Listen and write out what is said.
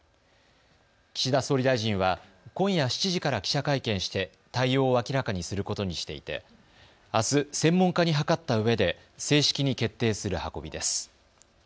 岸田総理大臣は今夜７時から記者会見して対応を明らかにすることにしていてあす専門家に諮ったうえで正式に決定する運びです。